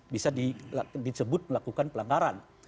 bisa disebut melakukan pelanggaran